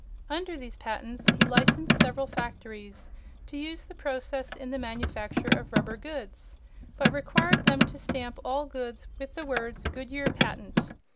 Under these patents he licensed several factories to use the process in the manufacture of rubber goods, but required them to stamp all goods with the words "Goodyear patent."